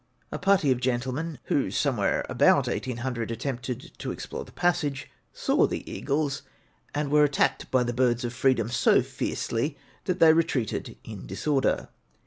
A party of gentlemen who somewhere about 1800 attempted to explore the passage saw the eagles, and were attacked by the birds of freedom so fiercely that they retreated in disorder.